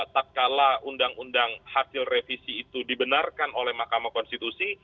tak kala undang undang hasil revisi itu dibenarkan oleh mahkamah konstitusi